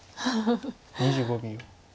２５秒。